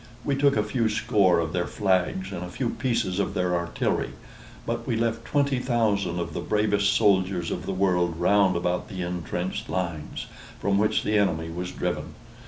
We took a few score of their flags, and a few pieces of their artillery; but we left twenty thousand of the bravest soldiers of the world round about the intrenched lines, from which the enemy was driven.